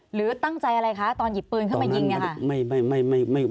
หรือตั้งใจอะไรคะตอนหยิบปืนเข้ามายิง